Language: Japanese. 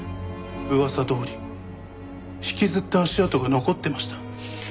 噂どおり引きずった足跡が残ってました。